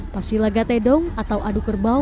pasti laga tedong atau aduk kerbau